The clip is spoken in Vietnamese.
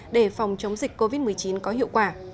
để phòng chống dịch covid một mươi chín có hiệu quả